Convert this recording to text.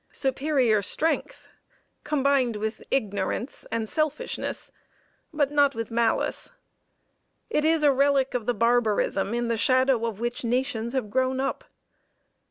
Superior strength, combined with ignorance and selfishness, but not with malice. It is a relic of the barbarism in the shadow of which nations have grown up.